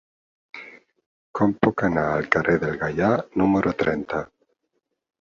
Com puc anar al carrer del Gaià número trenta?